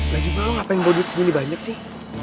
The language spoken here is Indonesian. lagi bro lo ngapain mau duit segini banyak sih